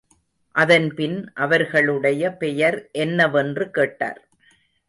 அதன் பின், அவர்களுடைய பெயர் என்னவென்று கேட்டார்.